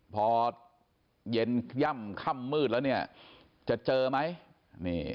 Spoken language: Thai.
พอเย็นย่ำค่ำมืดแล้วเนี่ยจะเจอไหม